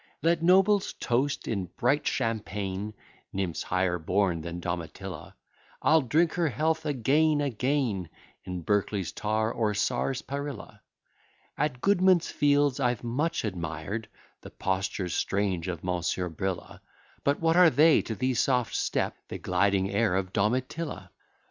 Let nobles toast, in bright champaign, Nymphs higher born than Domitilla; I'll drink her health, again, again, In Berkeley's tar, or sars'parilla. At Goodman's Fields I've much admired The postures strange of Monsieur Brilla; But what are they to the soft step, The gliding air of Domitilla?